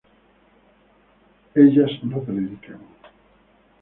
ellas no predican